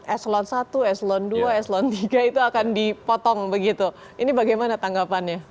eselon satu eselon dua eselon tiga itu akan dipotong begitu ini bagaimana tanggapannya